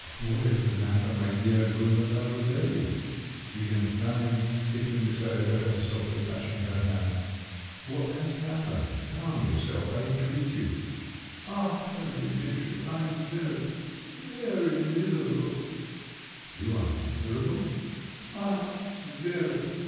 "What is the matter, my dear, good Madame Roselli?" began Sanin, sitting beside her and softly touching her hand. "What has happened? calm yourself, I entreat you." "Ah, Herr Dimitri, I am very … very miserable!" "You are miserable?" "Ah, very!